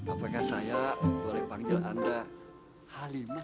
apakah saya boleh panggil anda halimi